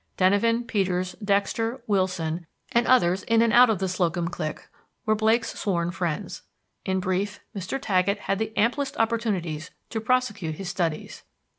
Denyven, Peters, Dexter, Willson, and others in and out of the Slocum clique were Blake's sworn friends. In brief, Mr. Taggett had the amplest opportunities to prosecute his studies.